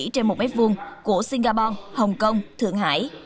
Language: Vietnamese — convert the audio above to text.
trên một mép vuông của singapore hong kong thượng hải